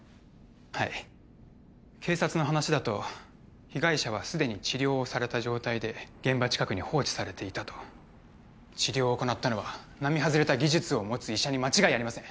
はい警察の話だと被害者は既に治療をされた状態で現場近くに放置されていたと治療を行ったのは並外れた技術を持つ医者に間違いありません